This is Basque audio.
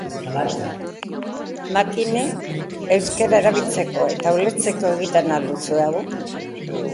Makinek euskara erabiltzeko eta ulertzeko egiten al duzue hau?